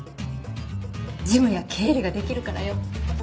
事務や経理ができるからよ。